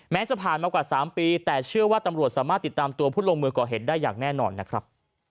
จะผ่านมากว่า๓ปีแต่เชื่อว่าตำรวจสามารถติดตามตัวผู้ลงมือก่อเหตุได้อย่างแน่นอนนะครับ